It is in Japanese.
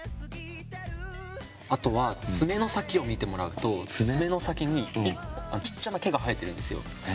あとはつめの先を見てもらうとつめの先にちっちゃな毛が生えてるんですよ。